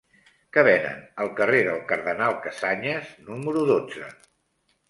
Què venen al carrer del Cardenal Casañas número dotze?